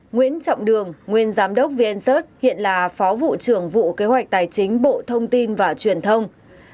một nguyễn trọng đường nguyên giám đốc vncert hiện là phó vụ trưởng vụ kế hoạch tài chính bộ thông tin và truyền thông